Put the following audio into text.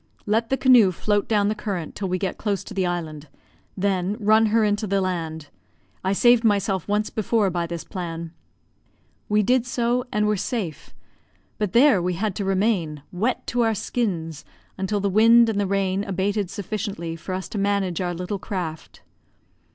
"Let the canoe float down the current till we get close to the island; then run her into the land. I saved myself once before by this plan." We did so, and were safe; but there we had to remain, wet to our skins, until the wind and the rain abated sufficiently for us to manage our little craft.